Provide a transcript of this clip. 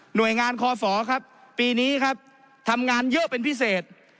โดยงานคอฝครับปีนี้ครับทำงานเยอะเป็นพิเศษ